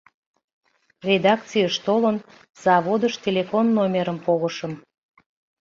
Редакцийыш толын, заводыш телефон номерым погышым.